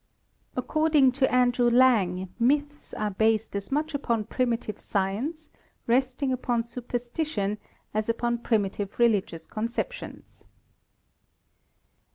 According to Andrew Lang, myths are based as much upon primitive science, resting upon superstition, as upon primitive religious con ceptions.